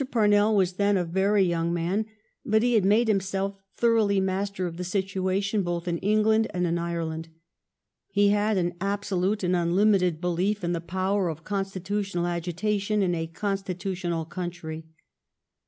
Parnell was then a very young man, but he had made himself thoroughly master o£ the situa tion both in England and in Ireland. He had an absolute and unlimited belief in the power of consti tutional agita tion in a consti tutional coun try.